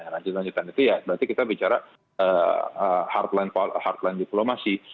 lanjut lanjutan itu ya berarti kita bicara hardline diplomasi